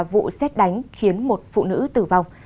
vụ xét đánh khiến một phụ nữ tử vong